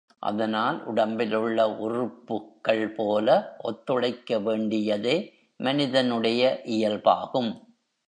அதனால் உடம்பிலுள்ள உறுப்புக்கள் போல ஒத்துழைக்க வேண்டியதே மனிதனுடைய இயல்பாகும்.